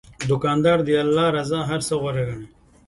دوکاندار د الله رضا له هر څه غوره ګڼي.